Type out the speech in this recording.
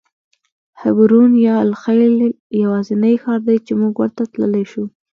حبرون یا الخلیل یوازینی ښار دی چې موږ ورته تللی شو.